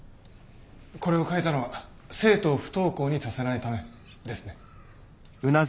これを書いたのは生徒を不登校にさせないためですね？